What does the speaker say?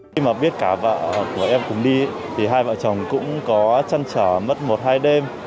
khi mà biết cả vợ của em cùng đi thì hai vợ chồng cũng có chăn trở mất một hai đêm